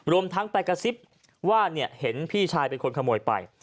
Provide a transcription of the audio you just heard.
รวมทั้งไปกระซิบว่าเห็นพี่ชายเป็นคนขโมยไป